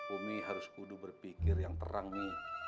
umi harus kudu berpikir yang terang nih